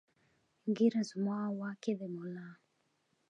ږیره زما واک یې د ملا!